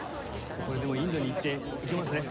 じゃあこれでもうインドに行っていけますね？